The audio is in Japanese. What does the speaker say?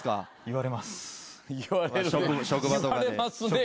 言われますね